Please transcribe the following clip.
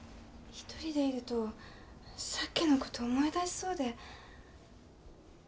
一人でいるとさっきのこと思い出しそうで。